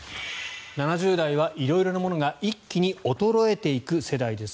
７０代は色々なものが一気に衰えていく世代です。